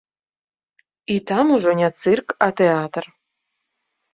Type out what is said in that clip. І там ужо не цырк, а тэатр.